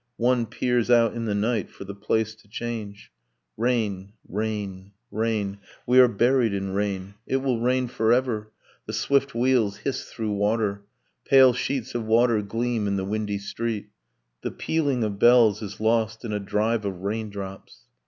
One peers out in the night for the place to change. Rain ... rain ... rain ... we are buried in rain, It will rain forever, the swift wheels hiss through water, Pale sheets of water gleam in the windy street. The pealing of bells is lost in a drive of rain drops.